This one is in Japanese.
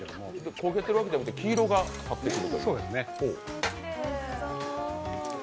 焦げているわけではなくて黄色が立ってきた。